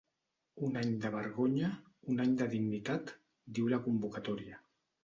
Un any de vergonya, un any de dignitat, diu la convocatòria.